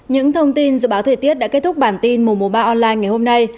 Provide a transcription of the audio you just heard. những thông tin dự báo thời tiết đã kết thúc bản tin mùa mùa ba online ngày hôm nay